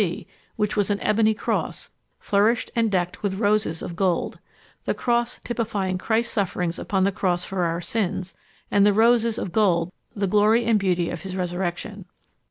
C. which was an ebony cross, flourished and decked with roses of gold; the cross typifying Christ's sufferings upon the cross for our sins, and the roses of gold the glory and beauty of his Resurrection.